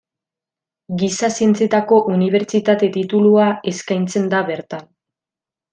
Giza Zientzietako Unibertsitate Titulua eskaintzen da bertan.